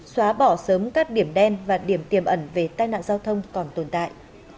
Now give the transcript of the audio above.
xóa bỏ sớm các điểm đen và điểm tiềm ẩn về tai nạn giao thông còn tồn tại